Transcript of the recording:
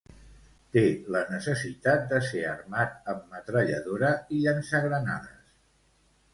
Té la necessitat de ser armat amb metralladora i llançagranades.